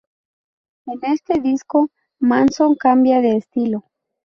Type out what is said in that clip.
En este disco Manson cambia de estilo.